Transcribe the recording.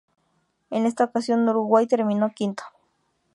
En esta ocasión Uruguay terminó quinto.